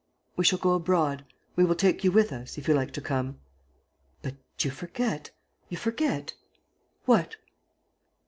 "We shall go abroad. We will take you with us, if you like to come. ..." "But you forget ... you forget. ..." "What?"